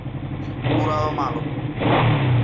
Bisping derrotó a Akiyama por decisión unánime.